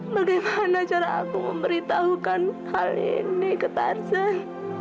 bagaimana cara aku memberitahukan hal ini ke tarceh